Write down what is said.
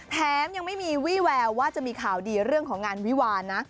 แถมยังไม่มีวี่แววว่าจะมีข่าวดีเรื่องของงานวิวาลนะ